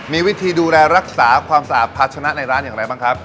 มีวิธีดูแลรักษาความสะอาดภาชนะในร้านอย่างไรบ้างครับ